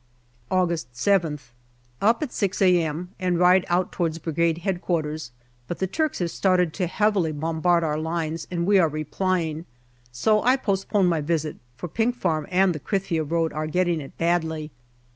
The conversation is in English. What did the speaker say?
August 7th. Up at six a.m. and ride out towards Brigade H.Q., but the Turks have started to heavily bombard our lines, and we are replying, so I postpone my visit, for Pink Farm and the Krithia road are getting it badly.